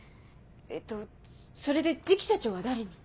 えっとそれで次期社長は誰に？